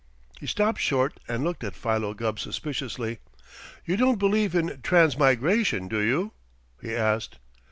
He stopped short and looked at Philo Gubb suspiciously. "You don't believe in transmigration, do you?" he asked.